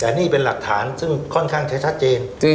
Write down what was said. แต่นี่เป็นหลักฐานซึ่งค่อนข้างจะชัดเจน